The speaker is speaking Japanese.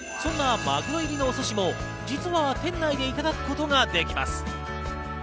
そんなマグロ入りのお寿司も実は店内でいただくことができます。